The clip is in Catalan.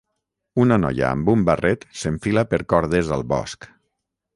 Una noia amb un barret s'enfila per cordes al bosc.